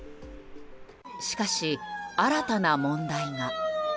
しかし、新たな問題が。